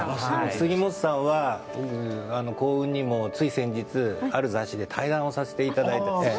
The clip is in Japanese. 杉本さんは幸運にもつい先日ある雑誌で対談をさせていただいて。